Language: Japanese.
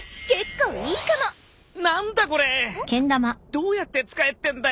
どうやって使えってんだよ